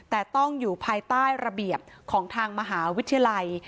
แต่ต้องอยู่ภายใต้ระเบียบของทางมหาวิทยาลัย